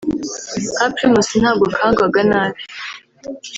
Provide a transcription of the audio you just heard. Ka primus ntabwo kangwaga nabi